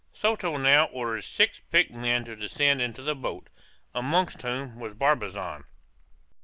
Soto now ordered six picked men to descend into the boat, amongst whom was Barbazan.